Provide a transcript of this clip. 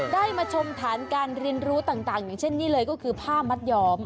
ได้มาชมฐานการเรียนรู้ต่างอย่างเช่นนี่เลยก็คือผ้ามัดยอม